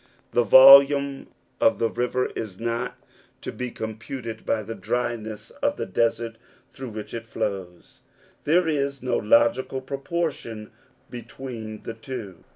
The volume of the river is not to be computed by the dryness of the desert through which it flows: there is no logical proportion between the two.